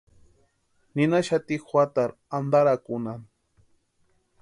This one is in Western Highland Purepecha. Ninhaxati juatarhu antarakunhani.